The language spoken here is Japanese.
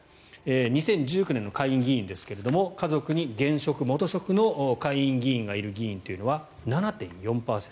２０１９年の下院議員ですが家族に現職、元職の下院議員がいるのは７．４％。